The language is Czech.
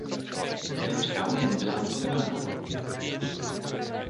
Evropská Unie nebyla ani pozvána.